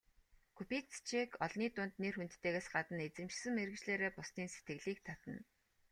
Кубицчек олны дунд нэр хүндтэйгээс гадна эзэмшсэн мэргэжлээрээ бусдын сэтгэлийг татна.